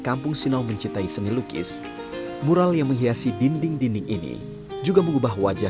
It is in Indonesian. kampung sinau mencintai seni lukis mural yang menghiasi dinding dinding ini juga mengubah wajah